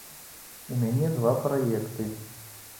У мяне два праекты.